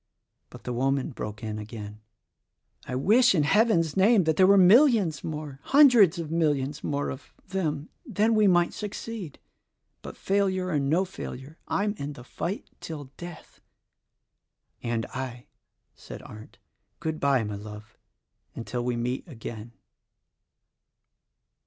But the woman broke in again: "I wish in Heaven's name that there were millions more, hundreds of millions more, of them ; then we might succeed. But, failure or no failure, I'm in the fight till death." "And I," said Arndt. "Good bye, my love, until we meet again.